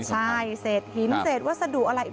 ใช่เศษหินเศษวัสดุอะไร